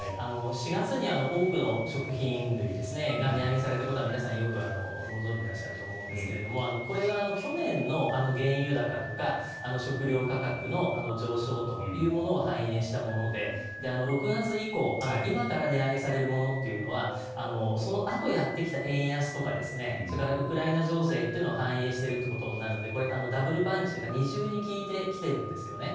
４月に多くの食品類が値上げされたことは皆さん、よくご存じでいらっしゃると思いますがこれ、去年の原油高とか食料価格の上昇というものを反映したもので６月以降、今から値上げされるものというのはそのあとやってきた円安とかウクライナ情勢というのを反映しているということになるのでダブルパンチというか二重に効いてきているんですよね。